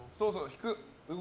引く。